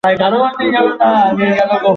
দ্বিতীয় বারের স্বপ্ন তুমি রাত কটায় দেখেছ?